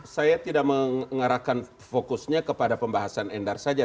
saya tidak mengarahkan fokusnya kepada pembahasan endar saja